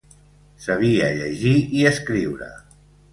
Sabia llegir i escriure.